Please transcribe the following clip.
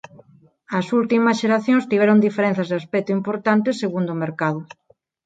As últimas xeracións tiveron diferenzas de aspecto importantes segundo o mercado.